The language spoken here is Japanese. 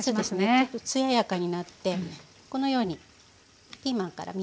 ちょっと艶やかになってこのようにピーマンから水が出ます。